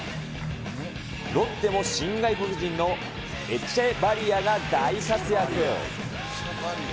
ロッテも新外国人のエチェバリアが大活躍。